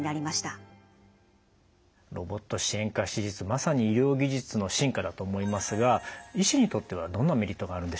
まさに医療技術の進化だと思いますが医師にとってはどんなメリットがあるんでしょう？